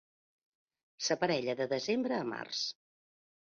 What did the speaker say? S'aparella de desembre a març.